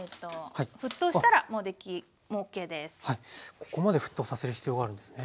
ここまで沸騰させる必要があるんですね。